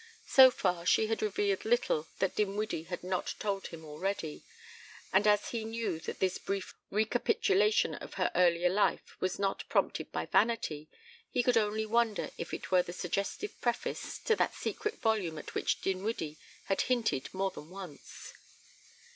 So far she had revealed little that Dinwiddie had not told him already, and as he knew that this brief recapitulation of her earlier life was not prompted by vanity, he could only wonder if it were the suggestive preface to that secret volume at which Dinwiddie had hinted more than once.